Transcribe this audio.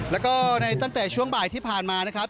แล้วก็ในตั้งแต่ช่วงบ่ายที่ผ่านมานะครับ